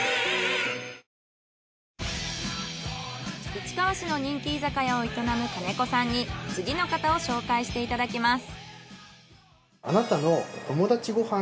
市川市の人気居酒屋を営む兼子さんに次の方を紹介していただきます。